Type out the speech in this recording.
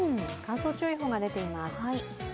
乾燥注意報が出ています。